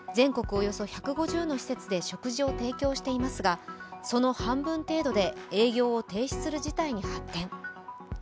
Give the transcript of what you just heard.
およそ１５０の施設で食事を提供していますがその半分程度で営業を停止する事態に発展。